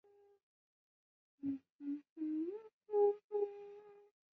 穆夏那是一个位于乌克兰沃伦州科韦利区的一个村庄。